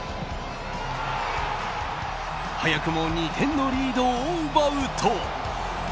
早くも２点のリードを奪うと。